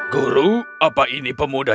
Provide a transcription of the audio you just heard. guru apa ini pemuda